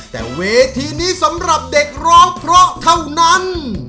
แต่เวทีนี้สำหรับเด็กร้องเพราะเท่านั้น